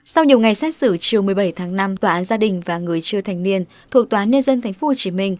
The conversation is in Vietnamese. sau nhiều ngày xét xử chiều một mươi bảy tháng năm tòa án gia đình và người chưa thành niên thuộc tòa án nhân dân tp hcm